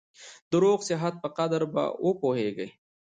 د روغ صحت په قدر به وپوهېږې !